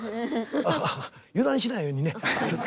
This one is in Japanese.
油断しないようにね。